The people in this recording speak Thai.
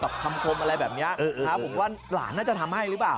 คำคมอะไรแบบนี้ผมว่าหลานน่าจะทำให้หรือเปล่า